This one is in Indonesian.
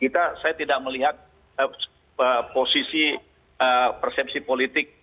saya tidak melihat posisi persepsi politik